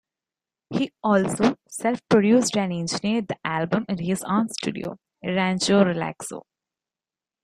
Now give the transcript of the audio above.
He also self produced and engineered the album at his own studio, "Rancho Relaxo".